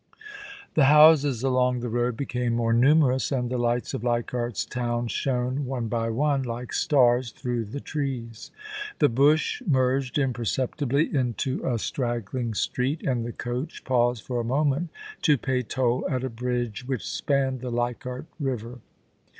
The houses along the road became more numerous, and the lights of Leichardt's Town shone, one by one, like stars through the trees. The bush merged imperceptibly into a straggling street, and the coach paused for a moment to pay toll at a bridge which spanned the Leichardt River.